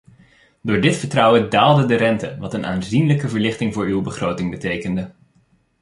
Door dit vertrouwen daalde de rente wat een aanzienlijke verlichting voor uw begroting betekende.